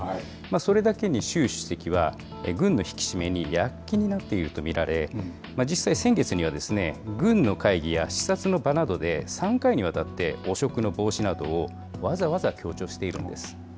それだけに習主席は、軍の引き締めに躍起になっていると見られ、実際、先月には、軍の会議や視察の場などで、３回にわたって、汚職の防止などをわざわざ強調しているんです。